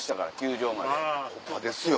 ホンマですよ